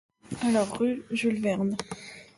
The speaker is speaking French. Rue Jules Verne.